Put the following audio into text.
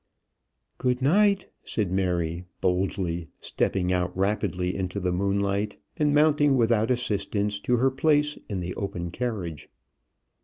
"Good night," said Mary, boldly, stepping out rapidly into the moonlight, and mounting without assistance to her place in the open carriage.